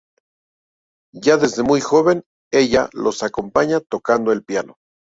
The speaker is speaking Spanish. Ya desde muy joven, ella los acompañaba tocando el piano.